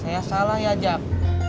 saya salah ya jack